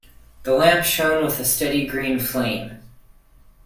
The lamp shone with a steady green flame.